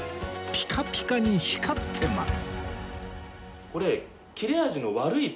ピカピカに光ってます